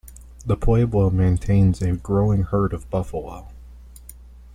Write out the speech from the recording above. The pueblo maintains a growing herd of buffalo.